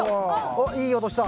おっいい音した。